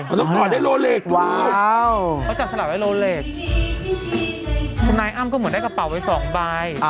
เขาต้องต่อได้ดูเขาจับฉลากได้คุณนายอ้ำก็เหมือนได้กระเป๋าไว้สองใบ